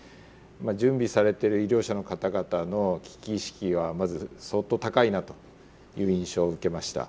準備されてる医療者の方々の危機意識はまず相当高いなという印象を受けました。